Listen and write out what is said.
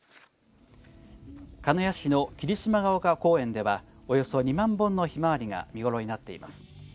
鹿屋市の霧島ヶ丘公園ではおよそ２万本のヒマワリが見頃になっています。